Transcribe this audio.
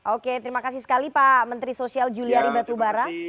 oke terima kasih sekali pak menteri sosial julia ribatubara